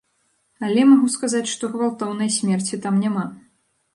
Але магу сказаць, што гвалтоўнай смерці там няма.